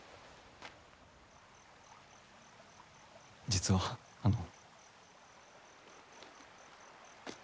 実はあの。